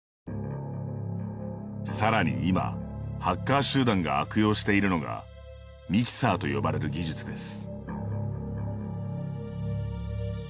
さらに今、ハッカー集団が悪用しているのがミキサーと呼ばれる技術です。